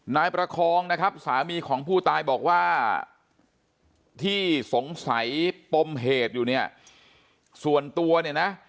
นายประคองนะครับสามีของผู้ตายบอกว่าที่สงสัยปมเหตุอยู่เนี่ยส่วนตัวเนี่ยนะ